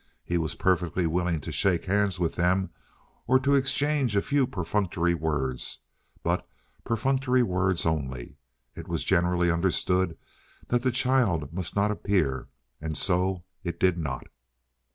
He was perfectly willing to shake hands with them or to exchange a few perfunctory words, but perfunctory words only. It was generally understood that the child must not appear, and so it did not.